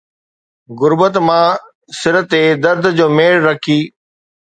غربت مان سر تي درد جو ميڙ رکي